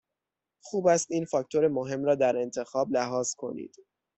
خوب است این فاکتور مهم را در انتخاب لحاظ کنید.